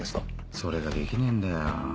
それができねえんだよ。